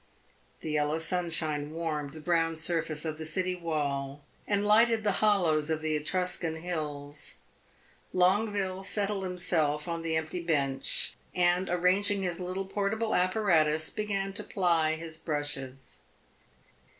The yellow sunshine warmed the brown surface of the city wall, and lighted the hollows of the Etruscan hills. Longueville settled himself on the empty bench, and, arranging his little portable apparatus, began to ply his brushes.